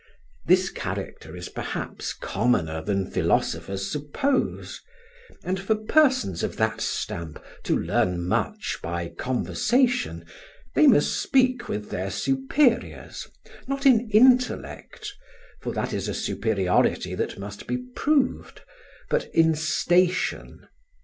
This character is perhaps commoner than philosophers suppose. And for persons of that stamp to learn much by conversation, they must speak with their superiors, not in intellect, for that is a superiority that must be proved, but in station.